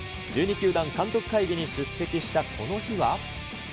１２球団監督会議に出席したこの日は。